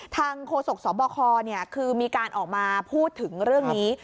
โฆษกสบคคือมีการออกมาพูดถึงเรื่องนี้